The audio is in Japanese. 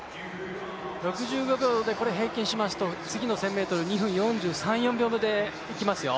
６５秒で平均しますと次の１０００ｍ２分４３４４秒でいきますよ。